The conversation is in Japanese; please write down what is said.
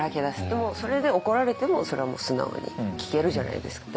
でもそれで怒られてもそれはもう素直に聞けるじゃないですか。